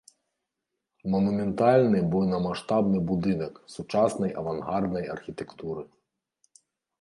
Манументальны буйнамаштабны будынак сучаснай авангарднай архітэктуры.